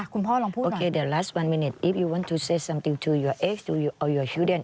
คุณพ่อลองพูดหน่อย